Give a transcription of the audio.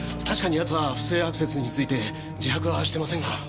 確かに奴は不正アクセスについて自白はしてませんが。